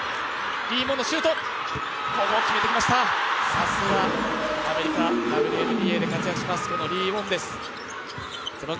さすがアメリカ、ＷＮＢＡで活躍する李夢です。